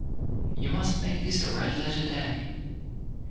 You must make this a red letter day.